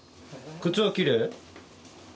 靴はきれい？